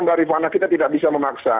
barifana kita tidak bisa memaksa